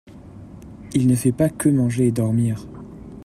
Il ne fait pas que manger et dormir.